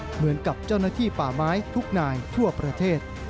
เหมือนกับเจ้าหน้าที่ป่าไม้ทุกนายทั่วประเทศ